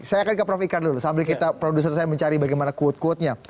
saya akan ke prof ikral dulu sambil kita produser saya mencari bagaimana quote quotenya